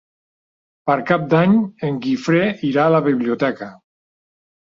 Per Cap d'Any en Guifré irà a la biblioteca.